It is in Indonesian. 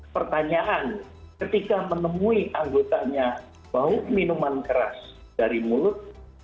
pertanyaan ketika menemui anggotanya bau minuman keras dari mulut